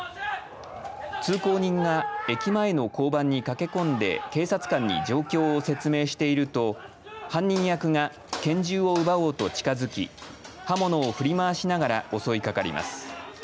通行人が駅前の交番に駆け込んで警察官に状況を説明していると犯人役が拳銃を奪おうと近づき刃物を振り回しながら襲いかかります。